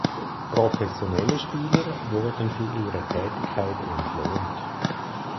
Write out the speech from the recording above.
Professionelle Spieler wurden für ihre Tätigkeit entlohnt.